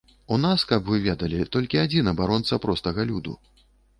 У нас, каб вы ведалі, толькі адзін абаронца простага люду.